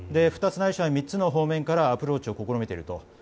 ２つ、ないしは３つの方面からアプローチを試みていると。